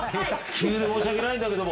急で申し訳ないんだけども。